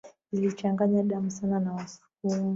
zilichanganya damu sana na Wasukuma